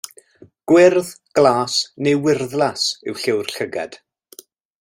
Gwyrdd, glas neu wyrddlas yw lliw'r llygad.